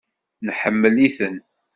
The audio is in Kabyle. Neḥemmel-iten.